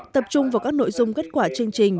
tập trung vào các nội dung kết quả chương trình